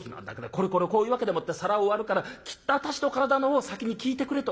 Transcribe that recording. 「『これこれこういうわけでもって皿を割るからきっと私の体のほう先に聞いてくれ』と」。